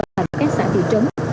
và các xã thị trấn